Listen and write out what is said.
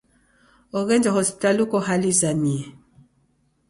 Oghenjwa hospitali uko hali izamie.